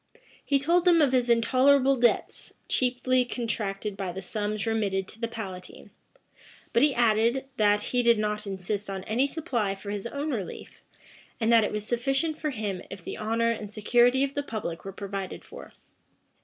He told them of his intolerable debts, chiefly contracted by the sums remitted to the palatine;[*] but he added, that he did not insist on any supply for his own relief, and that it was sufficient for him if the honor and security of the public were provided for.